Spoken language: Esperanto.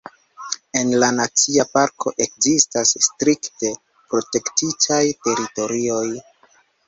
En la nacia parko ekzistas strikte protektitaj teritorioj.